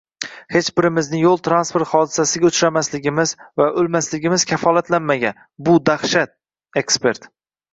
Hech birimizning yo´l transport hodisasiga uchramasligimiz va o‘lmasligimiz kafolatlanmagan, bu dahshat! – ekspert